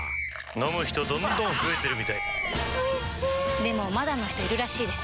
飲む人どんどん増えてるみたいおいしでもまだの人いるらしいですよ